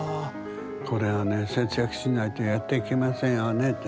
これはね節約しないとやっていけませんよねって。